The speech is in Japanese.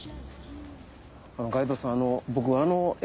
ガイドさん僕。